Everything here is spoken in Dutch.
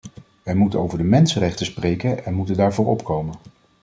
Wij moeten over de mensenrechten spreken en moeten daarvoor opkomen.